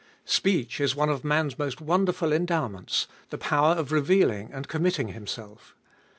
Speech is one of man's most wonderful endowments ; the power of revealing and committing himself.